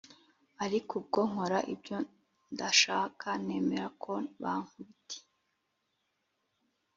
Ariko ubwo nkora ibyo ndashaka nemera ko bankubiti